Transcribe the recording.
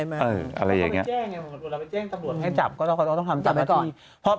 เราไปแจ้งตำรวจให้จับก็ต้องทำตามนาที